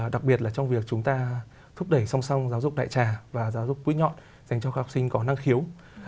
đặc biệt là trong việc chúng ta thúc đẩy song song giáo dục đại trà và giáo dục mũi nhọn dành cho các học sinh có năng khiếu